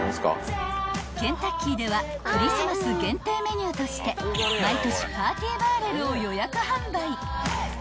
［ケンタッキーではクリスマス限定メニューとして毎年パーティバーレルを予約販売］